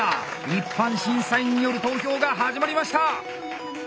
一般審査員による投票が始まりました。